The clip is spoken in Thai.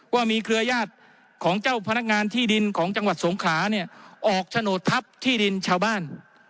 ว่ามีเครือญาติของเจ้าพนักงานที่ดินของจังหวัดสงขาเนี่ยออกโฉนดทัพที่ดินชาวบ้าน